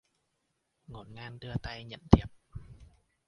Ngổn ngang đưa tay nhận thiệp